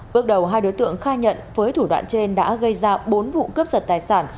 bước đầu hai đối tượng khai nhận với thủ đoạn trên đã gây ra bốn vụ cướp giật tài sản